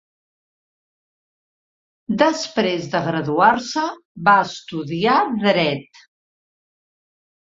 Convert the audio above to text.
Després de graduar-se, va estudiar Dret.